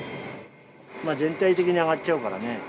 全体的に上がっちゃうからね。